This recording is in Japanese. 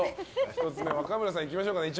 １つ目、若村さんいきましょう。